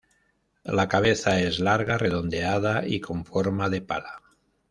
La cabeza es larga, redondeada y con forma de pala.